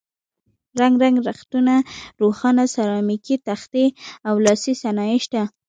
رنګ رنګ رختونه، روښانه سرامیکي تختې او لاسي صنایع شته.